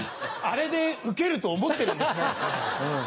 あれでウケると思ってるんですね。